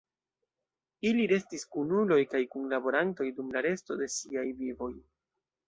Ili restis kunuloj kaj kunlaborantoj dum la resto de siaj vivoj.